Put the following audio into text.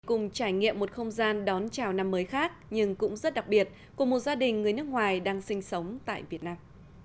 cùng trải nghiệm một không gian đón chào năm mới khác nhưng cũng rất đặc biệt của một gia đình người nước ngoài đang sinh sống tại việt nam